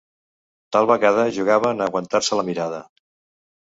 Tal vegada jugaven a aguantar-se la mirada.